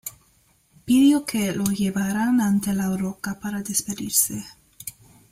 Pidió que lo llevaran ante la roca para despedirse.